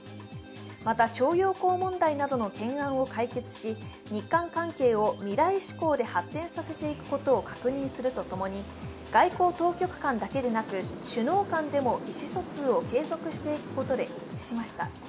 また、徴用工問題などの懸案を解決し、日韓関係を未来志向で発展させていくことを確認するとともに外交当局間だけでなく首脳間でも意思疎通を継続していくことで一致しました。